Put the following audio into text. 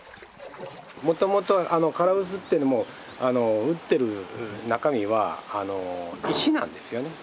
もともと唐臼ってのも打ってる中身は石なんですよね。